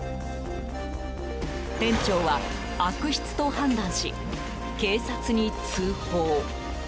店長は悪質と判断し警察に通報。